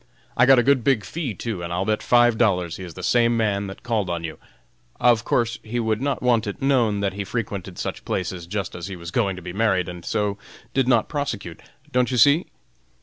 I got a good big fee, too, and I'll bet five dollars he is the same man that called on you. Of course he would not want it known that he frequented such places just as he was going to be married, and so did not prosecute. Don't you see?"